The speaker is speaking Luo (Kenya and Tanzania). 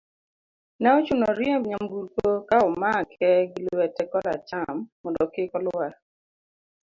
ne ochuno ni oriemb nyamburko ka omake gi lwete kor acham mondo kik olwar